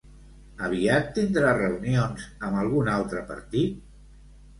Aviat tindrà reunions amb algun altre partit?